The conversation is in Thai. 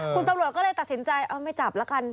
คุณตำรวจก็เลยตัดสินใจเอาไม่จับละกัน